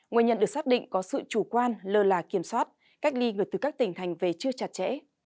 nguyên nhân được xác định có sự chủ quan lơ là kiểm soát cách ly người từ các tỉnh thành về chưa chặt chẽ